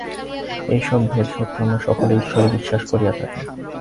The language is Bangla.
এইসব ভেদ-সত্ত্বেও আমরা সকলেই ঈশ্বরে বিশ্বাস করিয়া থাকি।